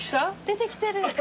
出てきてる。